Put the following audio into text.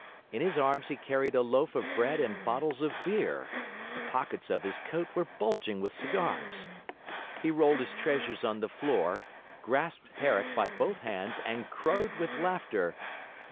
In his arms he carried a loaf of bread and bottles of beer; the pockets of his coat were bulging with cigars. He rolled his treasures on the floor, grasped Herrick by both hands, and crowed with laughter.